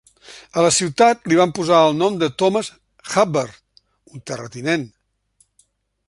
A la ciutat li van posar el nom de Thomas Hubbard, un terratinent.